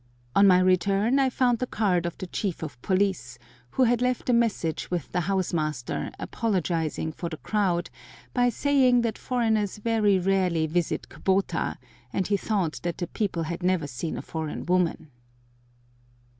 On my return I found the card of the chief of police, who had left a message with the house master apologising for the crowd by saying that foreigners very rarely visited Kubota, and he thought that the people had never seen a foreign woman.